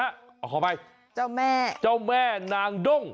เอาขอไปเจ้าแม่นางดง